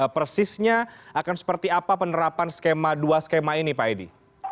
persisnya akan seperti apa penerapan dua skema ini pak edi